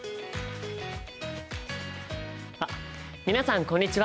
あっ皆さんこんにちは！